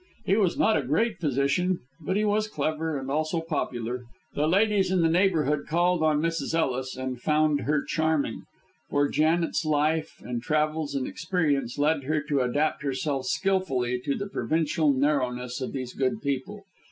He was not a great physician, but he was clever and also popular. The ladies in the neighbourhood called on Mrs. Ellis and found her charming, for Janet's life, and travels, and experience led her to adapt herself skilfully to the provincial narrowness of these good people.